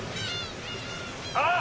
あっ！